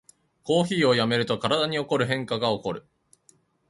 コーヒーをやめると体に起こる変化がおこる